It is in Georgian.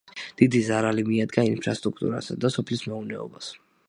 დიდი ზარალი მიადგა ინფრასტრუქტურასა და სოფლის მეურნეობას.